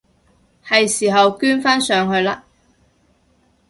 係時候捐返上去喇！